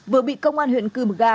vừa bị công an huyện cửm ga